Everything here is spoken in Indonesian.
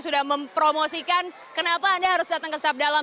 sudah mempromosikan kenapa anda harus datang ke sabda alam